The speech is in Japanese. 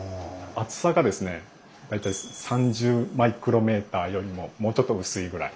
厚さがですね大体３０μｍよりももうちょっと薄いぐらい。